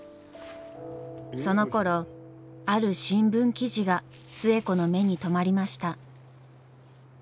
そのころある新聞記事が寿恵子の目に留まりました。